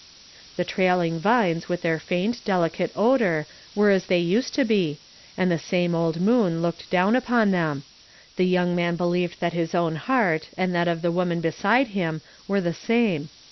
The trailing vines with their faint, delicate o(h)r were as they nsed to he, and the same old moon looked down npon them ; the young man believed that his own heart and tiiat of the woman beside him were the same.